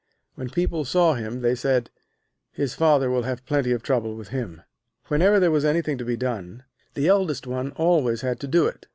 When people saw him, they said: 'His Father will have plenty of trouble with him.' Whenever there was anything to be done, the eldest one always had to do it.